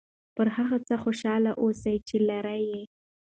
پر هغه څه خوشحاله اوسه چې لرې یې.